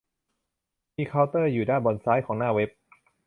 มีเคาน์เตอร์อยู่ด้านบนซ้ายของหน้าเว็บ